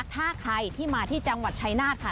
ถ้าใครที่มาที่จังหวัดชายนาฏค่ะ